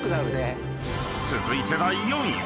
［続いて第４位は］